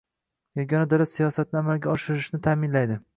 yagona davlat siyosatni amalga oshirilishini ta'minlaydi.